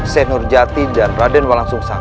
senur jati dan raden walang sungsang